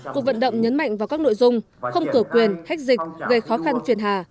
cuộc vận động nhấn mạnh vào các nội dung không cửa quyền hách dịch gây khó khăn phiền hà